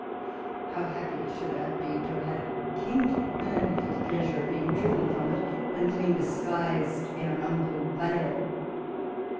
How happy should I have been to have had a kingdom only for the pleasure of being driven from it, and living disguised in an hum ble vale